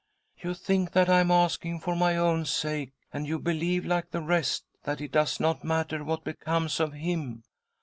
*' You think that I am asking for my own sake, and you believe, like the rest, that it does not matter what becomes of him.